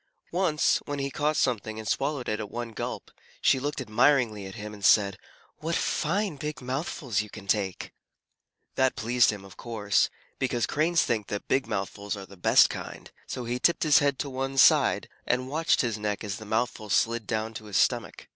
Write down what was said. Once, when he caught something and swallowed it at one gulp, she looked admiringly at him and said, "What fine, big mouthfuls you can take!" [Illustration: "WHAT FINE, BIG MOUTHFULS YOU CAN TAKE!" Page 19] That pleased him, of course, because Cranes think that big mouthfuls are the best kind, so he tipped his head to one side, and watched his neck as the mouthful slid down to his stomach.